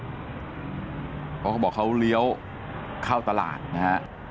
เพราะเขาบอกเขาเลี้ยวเข้าตลาดนะฮะ